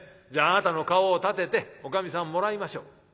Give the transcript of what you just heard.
じゃああなたの顔を立てておかみさんもらいましょう。